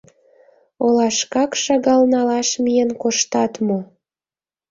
— Олашкак шагал налаш миен коштат мо?